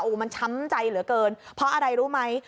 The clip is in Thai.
มันช้ำใจเหลือเกินเพราะอะไรรู้ไหม